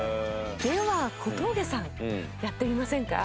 では小峠さんやってみませんか？